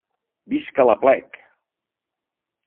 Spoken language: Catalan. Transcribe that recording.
Visca l’Aplec!